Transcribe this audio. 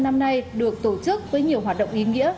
năm nay được tổ chức với nhiều hoạt động ý nghĩa